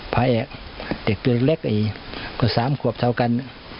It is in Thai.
พระอักกับเด็กละละกสามควบเทียวกัน